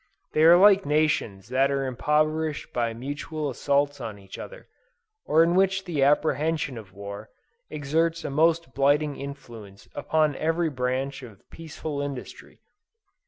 They are like nations that are impoverished by mutual assaults on each other: or in which the apprehension of war, exerts a most blighting influence upon every branch of peaceful industry.